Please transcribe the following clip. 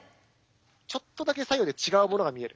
ちょっとだけ左右で違うものが見える。